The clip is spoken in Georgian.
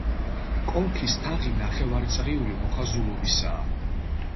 კონქის თაღი ნახევარწრიული მოხაზულობისაა.